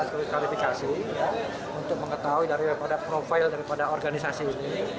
skritifikasi untuk mengetahui dari profil organisasi ini